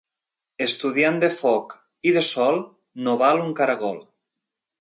Estudiant de foc i de sol no val un caragol.